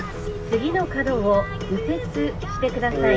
「次の角を右折してください」。